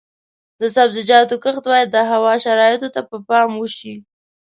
د سبزیجاتو کښت باید د هوا شرایطو ته په پام وشي.